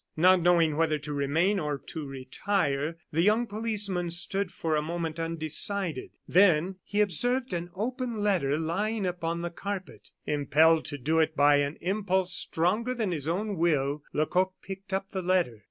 Not knowing whether to remain or retire, the young policeman stood for a moment undecided; then he observed an open letter lying upon the carpet. Impelled to do it by an impulse stronger than his own will, Lecoq picked up the letter.